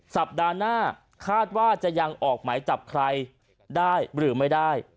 สัปดาห์หน้าคาดว่าจะยังออกหมายจับใครได้หรือไม่ได้